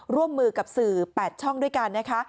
ร่วมมือกับสื่อ๘ช่องด้วยกันนะคะ